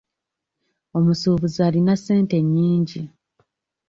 Omusuubuzi alina ssente nnyingi.